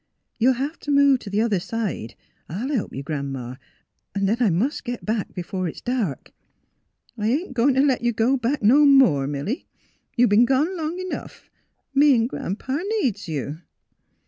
You'll have to move to the other side. I'll help you, Gran 'ma ; then I must go back before it's dark." *' I ain't goin' t' let you go back no more, Milly. You b'en gone long 'nough. Me 'n' Gran 'pa needs you."